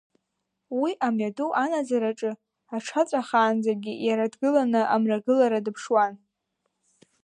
Уи амҩаду анаӡараҿы аҽаҵәахаанӡагьы, иара дгыланы амрагылара дыԥшуан.